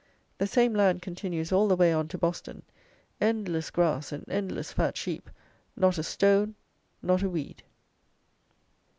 The same land continues all the way on to Boston: endless grass and endless fat sheep; not a stone, not a weed.